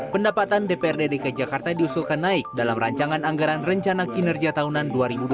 pendapatan dprd dki jakarta diusulkan naik dalam rancangan anggaran rencana kinerja tahunan dua ribu dua puluh